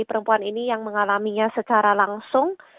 perempuan ini yang mengalaminya secara langsung